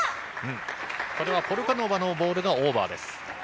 これはポルカノバのボールがオーバーです。